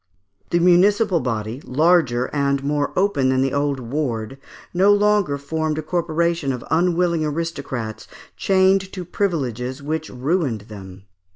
The municipal body, larger, more open than the old "ward," no longer formed a corporation of unwilling aristocrats enchained to privileges which ruined them.